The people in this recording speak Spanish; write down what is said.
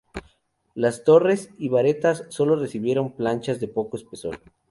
Las torres y barbetas, solo recibieron planchas de poco espesor.